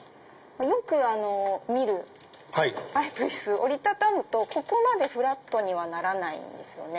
よく見るパイプ椅子折り畳むとここまでフラットにはならないんですよね。